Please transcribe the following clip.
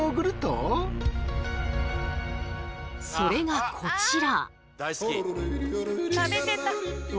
それがこちら。